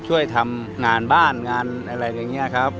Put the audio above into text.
ช่วยทำงานบ้านงานอะไรอย่างนี้ครับ